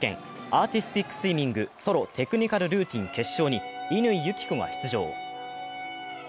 アーティスティックスイミング、ソロテクニカルルーティン決勝に乾友紀子が出場。